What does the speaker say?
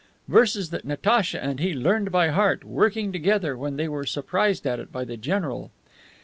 Verses that Natacha and he learned by heart, working together, when they were surprised at it by the general.